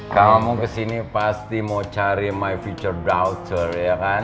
kamu kesini pasti mau cari my future daughter ya kan